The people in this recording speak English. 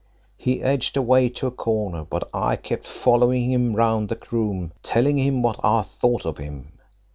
He edged away to a corner, but I kept following him round the room telling him what I thought of him.